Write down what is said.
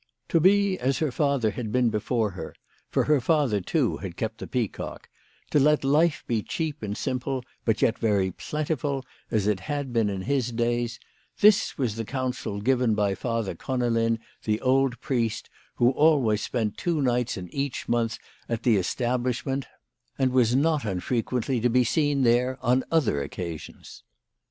To be as her father had been before her, for her father, too, had kept the Peacock ; to let life* be cheap and simple, but yet very plentiful as it had been in his days, this was the counsel given by Father Conolin the old priest, who always spent two nights in each month at the establishment, and was not unfrequently to be 14 WHY FRAU FROHMANN RAISED HER PRICES. seen there on other occasions.